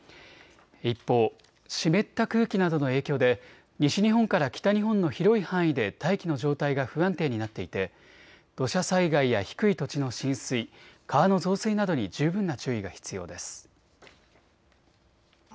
一方、湿った空気などの影響で西日本から北日本の広い範囲で大気の状態が不安定になっていて土砂災害や低い土地の浸水、川の増水などに十分な注意が必要です。